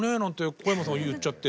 小山さんが言っちゃって。